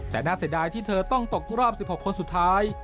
แต่น่าเสียดายที่เธอต้องตกรอบ๑๖คนสุดท้าย